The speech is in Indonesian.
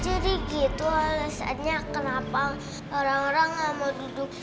jadi gitu alasannya kenapa orang orang gak mau duduk